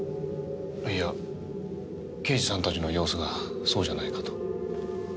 いや刑事さんたちの様子がそうじゃないかと。